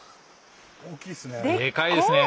大きいっすね。